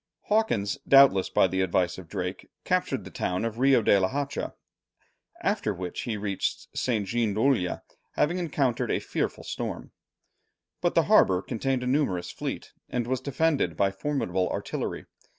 Hawkins, doubtless by the advice of Drake, captured the town of Rio de la Hacha; after which he reached St. Jean d'Ulloa, having encountered a fearful storm. But the harbour contained a numerous fleet, and was defended by formidable artillery.